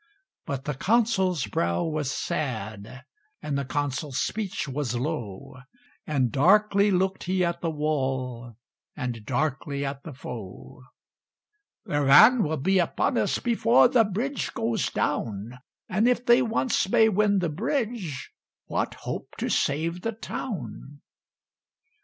But the Consul's brow was sad, And the Consul's speech was low, And darkly looked he at the wall, And darkly at the foe. "Their van will be upon us Before the bridge goes down; And if they once may win the bridge, What hope to save the town?"